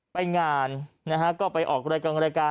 ไปงานไปออกรายการ